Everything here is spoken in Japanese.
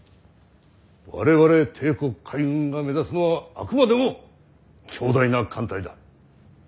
我々帝国海軍が目指すのはあくまでも強大な艦隊だ。